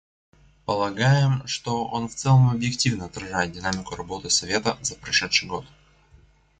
Полагаем, что он в целом объективно отражает динамику работы Совета за прошедший год.